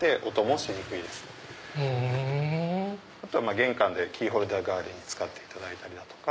玄関でキーホルダー代わりに使っていただいたりだとか。